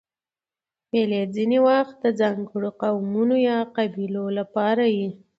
مېلې ځیني وخت د ځانګړو قومونو یا قبیلو له پاره يي.